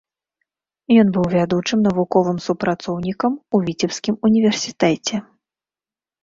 Ён быў вядучым навуковым супрацоўнікам у віцебскім універсітэце.